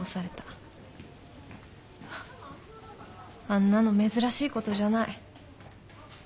あんなの珍しいことじゃない。